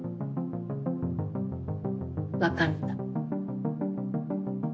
わかった。